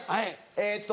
えっと